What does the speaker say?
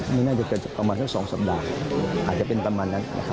นี่น่าจะเกิดประมาณสัก๒สัปดาห์อาจจะเป็นประมาณนั้นนะครับ